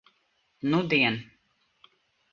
Nudien.